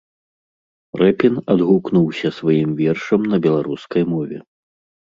Рэпін адгукнуўся сваім вершам на беларускай мове.